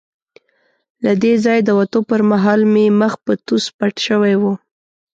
له دې ځایه د وتو پر مهال مې مخ په توس پټ شوی وو.